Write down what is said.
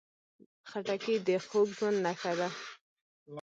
خټکی د خوږ ژوند نښه ده.